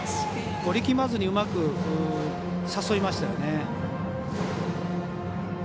力まずに、うまく誘いましたよね。